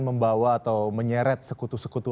membawa atau menyeret sekutu sekutu